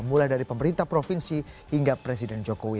mulai dari pemerintah provinsi hingga presiden jokowi